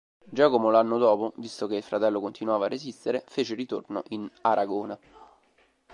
Giacomo, l'anno dopo, visto che il fratello continuava a resistere, fece ritorno in Aragona.